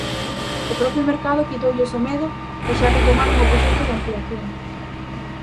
O propio mercado quitoulles o medo, e xa retomaron o proxecto de ampliación.